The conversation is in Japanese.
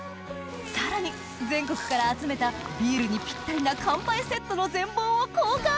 さらに全国から集めたビールにピッタリな乾杯セットの全貌を公開！